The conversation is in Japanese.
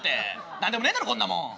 何でもねえだろこんなもん。